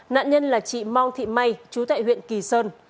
nạn nhân là chị mong thị may chú tại huyện kỳ sơn